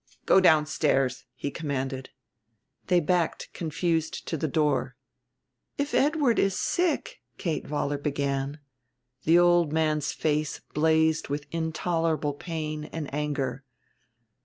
Go downstairs," he commanded. They backed confused to the door. "If Edward is sick " Kate Vollar began. The old man's face blazed with intolerable pain and anger.